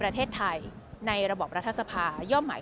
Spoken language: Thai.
แต่เสียหายไปถึงบุคคลที่ไม่เกี่ยวข้องด้วย